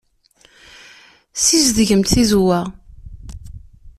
Ssizedgemt tizewwa.